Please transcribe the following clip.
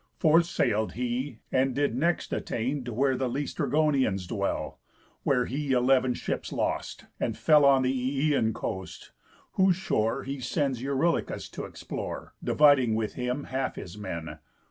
Forth sail'd he; and did next attain To where the Læstrygonians dwell. Where he eleven ships lost, and fell On the Ææan coast, whose shore He sends Eurylochus t' explore, Dividing with him half his men.